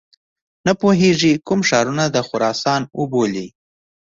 نه پوهیږي کوم ښارونه د خراسان وبولي.